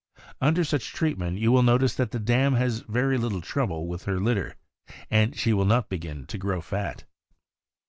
Under such treatment you will notice that the dam has very little trouble with her litter, and she will not begin to grow fat.